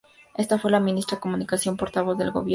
Esta fue la ministra de comunicación y portavoz del gobierno.